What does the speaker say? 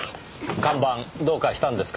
看板どうかしたんですか？